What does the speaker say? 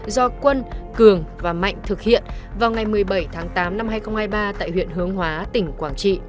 do quân cường và mạnh thực hiện vào ngày một mươi bảy tháng tám năm hai nghìn hai mươi ba tại huyện hướng hóa tỉnh quảng trị